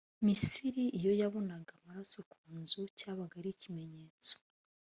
misiri iyo yabonaga amaraso ku nzu cyabaga arikimenyetso.